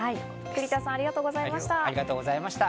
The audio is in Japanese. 栗田さん、ありがとうございました。